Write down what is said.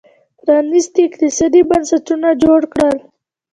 پرانېستي اقتصادي بنسټونه جوړ کړل